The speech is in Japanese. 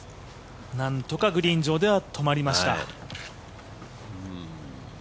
なんとかグリーン上では止まりました。